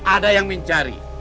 ada yang mencari